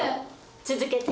続けて。